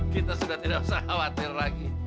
kita sudah tidak usah khawatir lagi